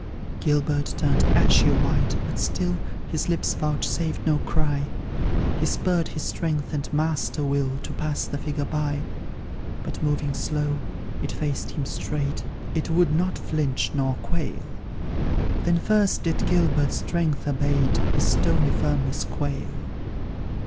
Gilbert turned ashy white, but still His lips vouchsafed no cry; He spurred his strength and master will To pass the figure by, But, moving slow, it faced him straight, It would not flinch nor quail: Then first did Gilbert's strength abate, His stony firmness quail.